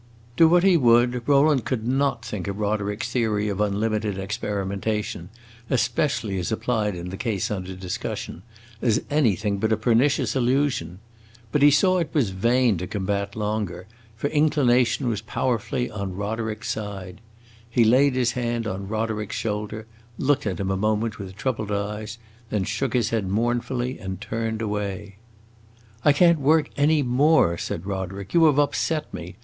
Do what he would, Rowland could not think of Roderick's theory of unlimited experimentation, especially as applied in the case under discussion, as anything but a pernicious illusion. But he saw it was vain to combat longer, for inclination was powerfully on Roderick's side. He laid his hand on Roderick's shoulder, looked at him a moment with troubled eyes, then shook his head mournfully and turned away. "I can't work any more," said Roderick. "You have upset me!